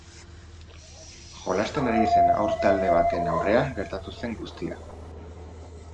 Jolasten ari zen haur talde baten aurrean gertatu zen guztia.